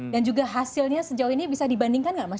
dan juga hasilnya sejauh ini bisa dibandingkan gak mas